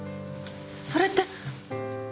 それって